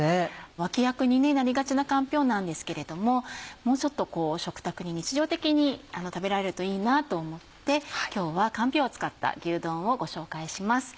脇役になりがちなかんぴょうなんですけれどももうちょっと食卓に日常的に食べられるといいなと思って今日はかんぴょうを使った牛丼をご紹介します。